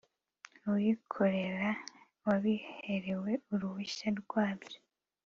uwikorera wabiherewe uruhushya rwabyo